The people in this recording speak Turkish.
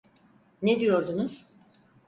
Ne diyordunuz?